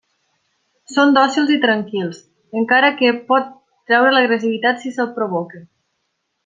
Són dòcils i tranquils, encara que pot treure l'agressivitat si se'l provoca.